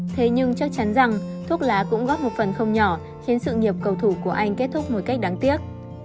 thế nhưng chắc chắn rằng thuốc lá cũng góp một phần không nhỏ khiến sự nghiệp cầu thủ của anh kết thúc một cách đáng tiếc